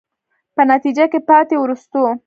په نتیجه کې پاتې، وروستو.